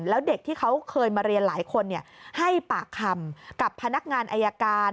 แล้วเด็กที่เขาเคยมาเรียนหลายคนให้ปากคำกับพนักงานอายการ